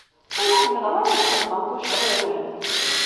Ur ḥemmleɣ ara ad xedmeɣ tuccḍiwin.